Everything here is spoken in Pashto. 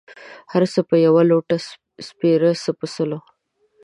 سر څه په يوه لوټۀ سپيره ، څه په سلو.